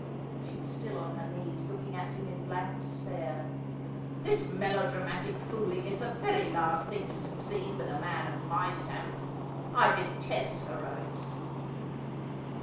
She was still on her knees, looking at him in blank despair. ' This melo dramatic fooling is the very last thing to succeed with a man of my stamp. I detest heroics.'